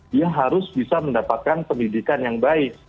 dia harus bisa mendapatkan pendidikan yang baik